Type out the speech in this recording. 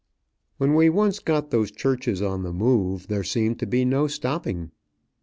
When we once got those churches on the move, there seemed to be no stopping.